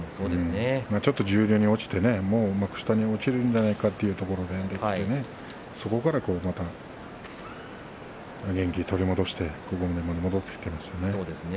ちょっと十両に落ちて幕下に落ちるんじゃないかというところそこから、また元気を取り戻してここまで戻ってきていますよね。